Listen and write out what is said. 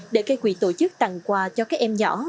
để gây quỷ tổ chức tặng quà cho các em nhỏ